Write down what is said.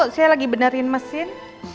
saya lagi benarin mesin